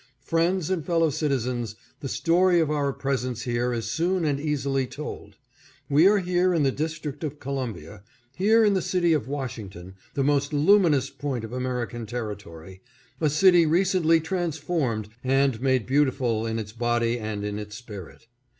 Friends and fellow citizens, the story of our presence here is soon and easily told. We are here in the District of Columbia, here in the city of Washington, the most 586 GRATITUDE TO ABRAHAM LINCOLN. luminous point of American territory, a city recently transformed and made beautiful in its body and in its spirit.